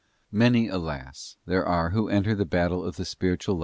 95 ro Many, alas, there are who enter the battle of the spiritual omar.